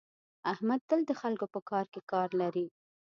احمد تل د خلکو په کار کې کار لري.